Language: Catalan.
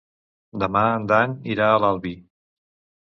Demà en Dan irà a l'Albi.